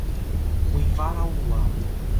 Uivar ao luar